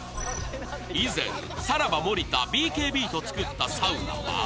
以前、サラバ・森田、ＢＫＢと作ったサウナは。